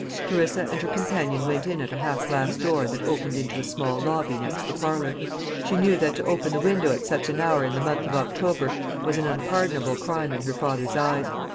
Clarissa and her companion went in at a half glass door that opened into a small lobby next the parlour. She knew that to open the window at such an hour in the month of October was an unpardonable crime in her father's eyes.